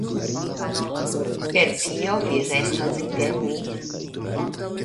Per tio vi restas inter ni".